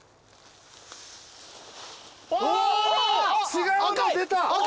・違うの出た！